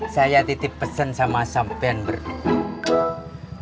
saya titip pesen sama sampean bernama